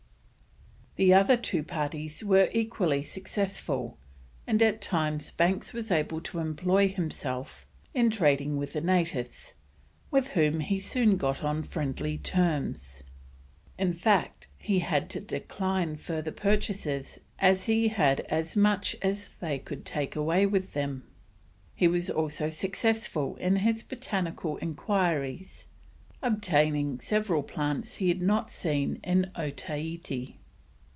The other two parties were equally successful, and at times Banks was able to employ himself in trading with the natives, with whom he soon got on friendly terms; in fact, he had to decline further purchases as he had as much as they could take away with them. He was also successful in his botanical enquiries, obtaining several plants he had not seen in Otaheite.